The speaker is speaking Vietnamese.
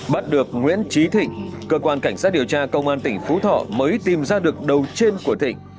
bắt được nguyễn trí thịnh cơ quan cảnh sát điều tra công an tỉnh phú thọ mới tìm ra được đầu trên của thịnh